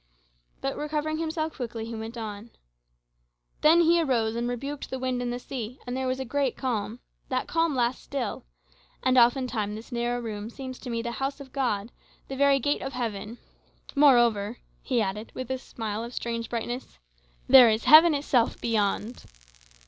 But, recovering himself quickly, he went on: "Then He arose and rebuked the wind and the sea; and there was a great calm. That calm lasts still. And oftentimes this narrow room seems to me the house of God, the very gate of heaven. Moreover," he added, with a smile of strange brightness, "there is heaven itself beyond."